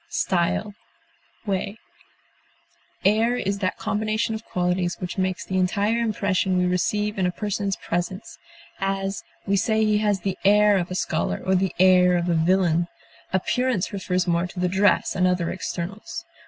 carriage, look, Air is that combination of qualities which makes the entire impression we receive in a person's presence; as, we say he has the air of a scholar, or the air of a villain. Appearance refers more to the dress and other externals.